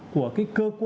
của cái cơ quan